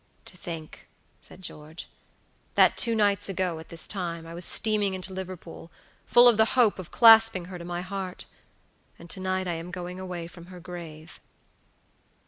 "To think," said George, "that two nights ago, at this time, I was steaming into Liverpool, full of the hope of clasping her to my heart, and to night I am going away from her grave!"